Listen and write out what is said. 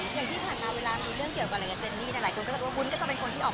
อย่างที่ที่ผ่านมาเวลามีเรื่องเกี่ยวกับเจนนี่